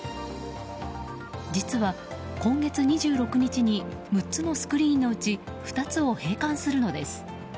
実は今月２６日に６つのスクリーンのうち２つを閉館するのです。